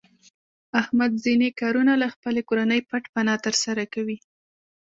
احمد ځنې کارونه له خپلې کورنۍ پټ پناه تر سره کوي.